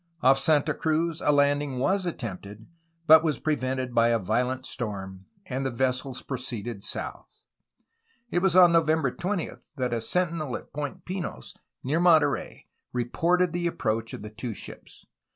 Off Santa Cruz a landing was attempted, but was prevented by a violent storm, and the vessels proceeded south. It was on November 20 that a sentinel at Point Pinos, near Monterey, reported the approach of the two ships.